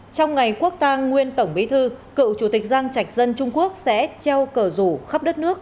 trong ngày quốc tang nguyên tổng bí thư cựu chủ tịch giang trạch dân trung quốc sẽ treo cờ rủ khắp đất nước